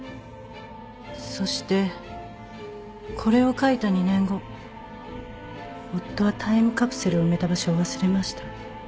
そしてこれを書いた２年後夫はタイムカプセルを埋めた場所を忘れました。